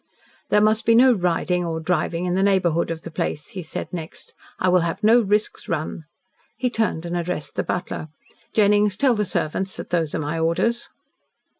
"There must be no riding or driving in the neighbourhood of the place," he said next. "I will have no risks run." He turned and addressed the butler. "Jennings, tell the servants that those are my orders."